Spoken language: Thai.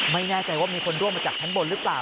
ไม่แน่ใจว่ามีคนร่วงมาจากชั้นบนหรือเปล่า